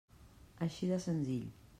Així de senzill.